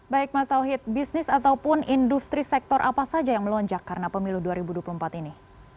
baik mas tauhid bisnis ataupun industri sektor apa saja yang melonjak karena pemilu dua ribu dua puluh empat ini